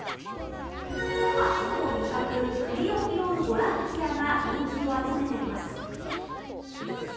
秋の味覚栗を拾うボランティアが人気を集めています。